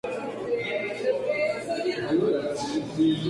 Christian: Es un chico dulce y sincero.